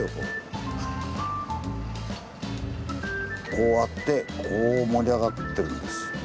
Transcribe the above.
こうあってこう盛り上がってるんです。